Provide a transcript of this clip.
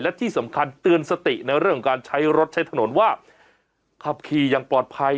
และที่สำคัญเตือนสติในเรื่องของการใช้รถใช้ถนนว่าขับขี่อย่างปลอดภัย